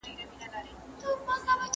شخصي ملکيت د انسان فطري حق دی.